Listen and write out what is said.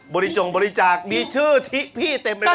จงบริจาคมีชื่อที่พี่เต็มไปหมด